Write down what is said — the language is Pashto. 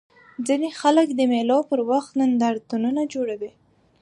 ځيني خلک د مېلو پر وخت نندارتونونه جوړوي.